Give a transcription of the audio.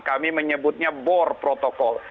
kami menyebutnya bor protokol